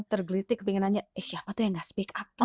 tergelitik pengen nanya eh siapa tuh yang nggak speak up gitu